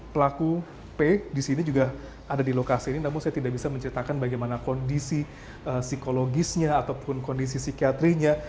pelaku p di sini juga ada di lokasi ini namun saya tidak bisa menceritakan bagaimana kondisi psikologisnya ataupun kondisi psikiatrinya